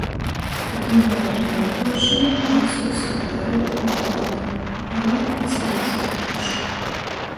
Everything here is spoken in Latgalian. Ka dūmojam par elpuošonu, juosuoc tū dareit manuali. Palīk iz reizis gryuši...